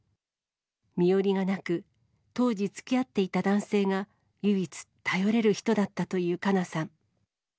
身寄りがなく、当時つきあっていた男性が、唯一、頼れる人だったというかなさん。